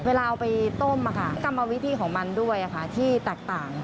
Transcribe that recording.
เวลาเอาไปต้มกรรมวิธีของมันด้วยที่แตกต่าง